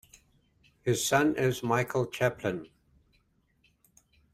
His son is Michael Chaplin.